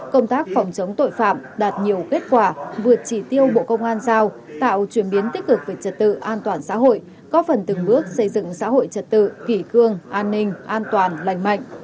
công tác phòng chống tội phạm đạt nhiều kết quả vượt chỉ tiêu bộ công an giao tạo chuyển biến tích cực về trật tự an toàn xã hội có phần từng bước xây dựng xã hội trật tự kỷ cương an ninh an toàn lành mạnh